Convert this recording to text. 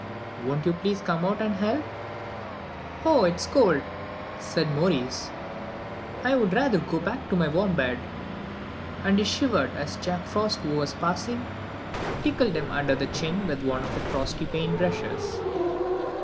Won't you please come out and help?" "Oh, it's so cold!" said Maurice; "I'd rather go back to my warm bed;" "and he shivered as Jack Frost, who was passing, tickled him under the chin with one of the frosty paint brushes.